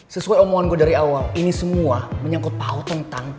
sesuai omongan gue dari awal ini semua menyangkut pau tong tang